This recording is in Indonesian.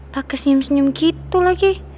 pakai senyum senyum gitu lagi